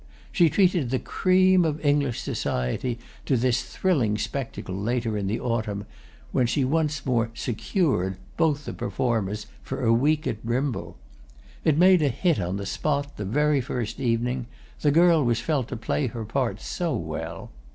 She treated the cream of English society to this thrilling spectacle later in the autumn, when she once more "secured" both the performers for a week at Brimble. It made a hit on the spot, the very first evening—the girl was felt to play her part so well.